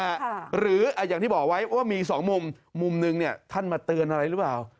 หรืออย่างที่บอกไว้ว่ามีสองมุมมุมหนึ่งเนี่ยท่านมาเตือนอะไรหรือเปล่า